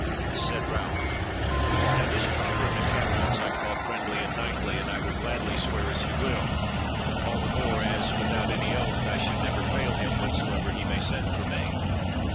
Said Ralph: "Now this proffer of the Captain's I call friendly and knightly, and I will gladly swear as he will; all the more as without any oath I should never fail him whensoever he may send for me.